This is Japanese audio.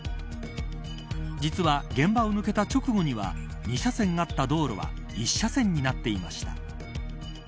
実は、現場を抜けた直後には２車線だった道路は１車線になっていました。